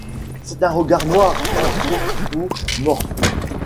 C'est un renard noir anthropomorphe.